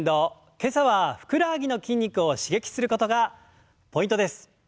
今朝はふくらはぎの筋肉を刺激することがポイントです。